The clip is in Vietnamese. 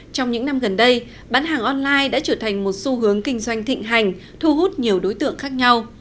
trong những năm gần đây bán hàng online đã trở thành một xu hướng kinh doanh thịnh hành thu hút nhiều đối tượng khác nhau